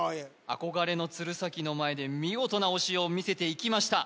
憧れの鶴崎の前で見事な押しを見せていきました